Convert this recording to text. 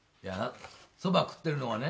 そば食ってるのがね